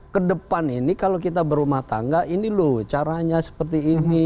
kedepan ini kalau kita berumah tangga ini loh caranya seperti ini